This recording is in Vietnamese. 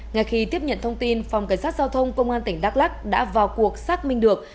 ngay khi tiếp nhận thông tin phòng cảnh sát giao thông công an tỉnh đắk lắc đã vào cuộc xác minh được